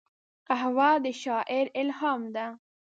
قهوه د شاعر الهام ده